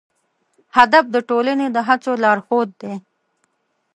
هدف د ټولنې د هڅو لارښود دی.